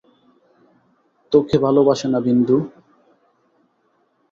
তোকে ভালোবাসে না, বিন্দু?